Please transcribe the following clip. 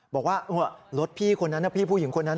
บอกว่ารถพี่คนนั้นนะพี่ผู้หญิงคนนั้น